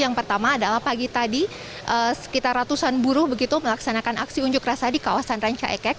yang pertama adalah pagi tadi sekitar ratusan buruh begitu melaksanakan aksi unjuk rasa di kawasan ranca ekek